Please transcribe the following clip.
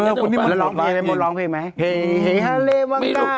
ฮัลเลวังตา